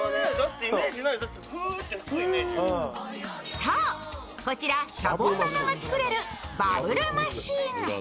そう、こちらシャボン玉が作れるバブルマシーン。